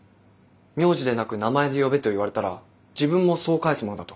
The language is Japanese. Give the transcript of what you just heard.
名字でなく名前で呼べと言われたら自分もそう返すものだと。